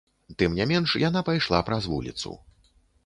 Тым не менш яна пайшла праз вуліцу.